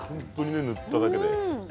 塗っただけでね。